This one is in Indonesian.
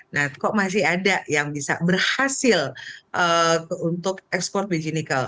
nah kok masih ada yang bisa berhasil untuk ekspor biji nikel